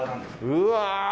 うわ！